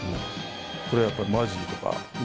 これやっぱマジーとかね